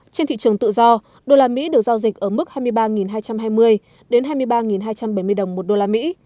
trên thị trường tự do đô la mỹ được giao dịch ở mức hai mươi ba hai trăm hai mươi đến hai mươi ba hai trăm bảy mươi đồng một đô la mỹ